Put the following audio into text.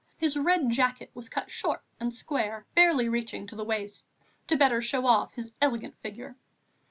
His red jacket was cut short and square, barely reaching to the waist, the better to show off his elegant figure.